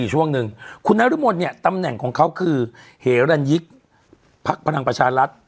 ช่วงหนึ่งคุณนรมนเนี่ยตำแหน่งของเขาคือเหรันยิกพักพลังประชารัฐ